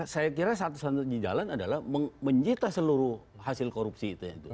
saya kira satu satu di jalan adalah mencita seluruh hasil korupsi itu